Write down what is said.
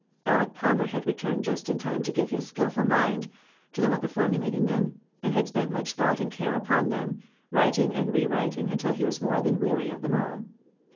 Aleck Palmer had returned just in time to give his skillful mind to the work of formulating them, and had spent much thought and care upon them, writing and re writing until he was more than weary of them all.